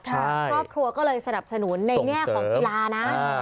ครอบครัวก็เลยสนับสนุนในแง่ของกีฬานะ